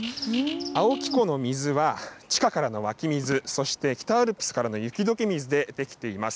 青木湖の水は地下からの湧き水、そして北アルプスからの雪どけ水で出来ています。